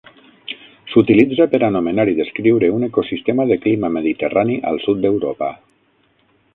S'utilitza per anomenar i descriure un ecosistema de clima mediterrani al sud d'Europa.